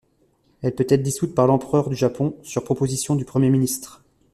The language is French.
Elle peut être dissoute par l'Empereur du Japon, sur proposition du Premier ministre.